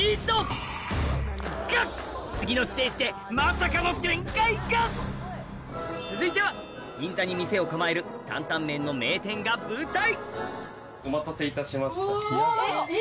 次のステージでまさかの展開が続いては銀座に店を構える担担麺の名店が舞台お待たせいたしました。